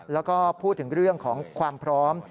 แล้วก็พูดถึงเรื่องของความพร้อม